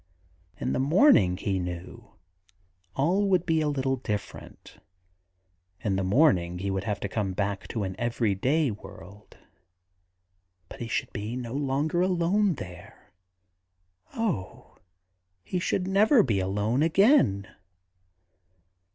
In the morning, he knew, all would be a little different; in the morning he should have to come back to an everyday world. But he should be no longer alone there ; oh, he should never be alone again.